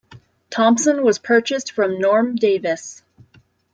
Thompson, was purchased from Norm Davis.